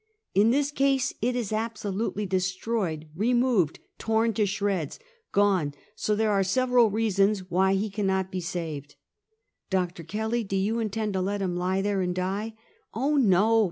In this case it is absolutely destroyed, removed, torn to shreds — gone. So there are several reasons why he cannot be saved." " Doctor Kelly, do you intend to let him lie there and die?" " Oh no!